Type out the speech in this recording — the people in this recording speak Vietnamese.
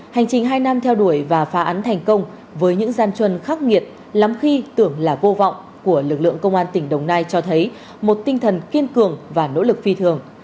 hành trình hai năm theo đuổi và phá án thành công với những gian chuân khắc nghiệt lắm khi tưởng là vô vọng của lực lượng công an tỉnh đồng nai cho thấy một tinh thần kiên cường và nỗ lực phi thường